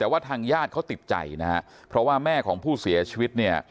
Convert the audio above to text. แต่ว่าทางญาติเขาติดใจนะฮะเพราะว่าแม่ของผู้เสียชีวิตเนี่ย